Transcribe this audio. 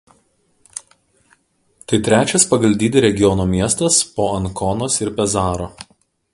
Tai trečias pagal dydį regiono miestas po Ankonos ir Pezaro.